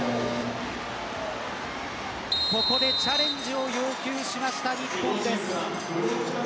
ここでチャレンジを要求しました日本です。